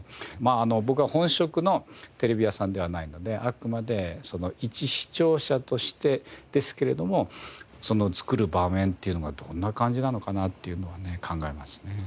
僕は本職のテレビ屋さんではないのであくまでその一視聴者としてですけれども作る場面っていうのがどんな感じなのかなっていうのはね考えますね。